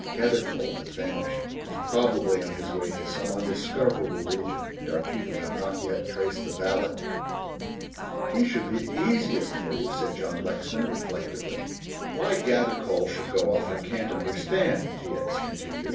Gathercole has vanished and is probably on his way to some undiscoverable region, and our people have not yet traced the valet." "He should be the easiest for you," said John Lexman, reflectively. "Why Gathercole should go off I can't understand," T. X. continued.